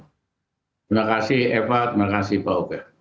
terima kasih eva terima kasih pak oke